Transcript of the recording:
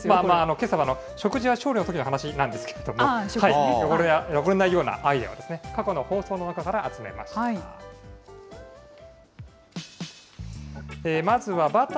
けさは食事や調理のときの話なんですけれども、汚れないようなアイデアを過去の放送の中から集めました。